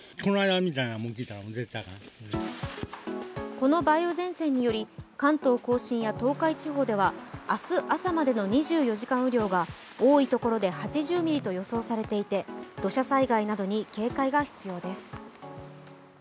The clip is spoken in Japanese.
この梅雨前線により、関東甲信や東海地方では、明日朝までの２４時間雨量が多いところで８０ミリと予想されていて土砂災害などに警戒が必要です。